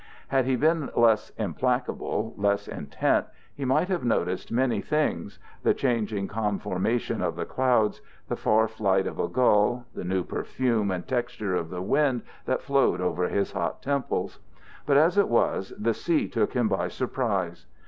Had he been less implacable, less intent, he might have noticed many things, the changing conformation of the clouds, the far flight of a gull, the new perfume and texture of the wind that flowed over his hot temples. But as it was, the sea took him by surprise.